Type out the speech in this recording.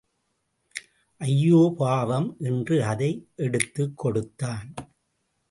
ஐயோ பாவம் என்று அதை எடுத்துக் கொடுத்தான்.